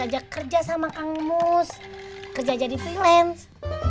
saya aja kerja sama kang mus kerja jadi freelance